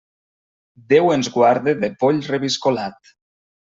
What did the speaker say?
Déu ens guarde de poll reviscolat.